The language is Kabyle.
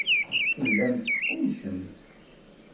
Tellamt teqqummcemt.